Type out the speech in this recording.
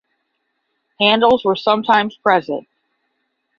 Handles were sometimes present.